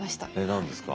何ですか？